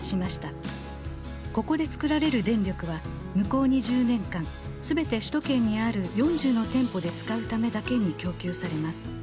ここで作られる電力は向こう２０年間全て首都圏にある４０の店舗で使うためだけに供給されます。